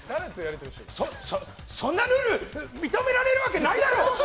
そ、そんなルール認められるわけないだろ！